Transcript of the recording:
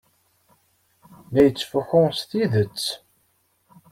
La yettfuḥu s tidet.